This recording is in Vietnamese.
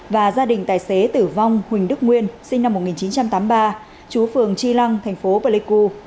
và gia đình tài xế tử vong huỳnh đức nguyên sinh năm một nghìn chín trăm tám mươi ba chú phường tri lăng thành phố pleiku